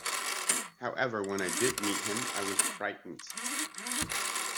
However, when I did meet him I was frightened.